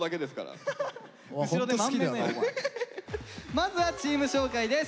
まずはチーム紹介です。